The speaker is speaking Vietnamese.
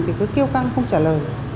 thì cứ kêu căng không trả lời